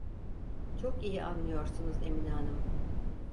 Çok iyi anlıyorsunuz Emine Hanım…